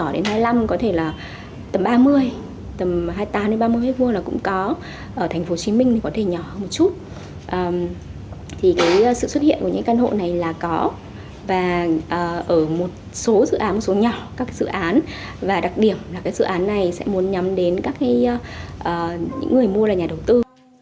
đã một số nhỏ các dự án và đặc điểm là dự án này sẽ muốn nhắm đến những người mua là nhà đầu tư